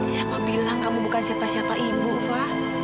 siapa bilang kamu bukan siapa siapa ibu fah